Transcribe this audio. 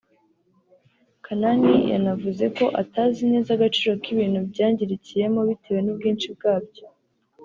Kanani yanavuze ko atazi neza agaciro k’ibintu byangirikiyemo bitewe n’ubwinshi bwabyo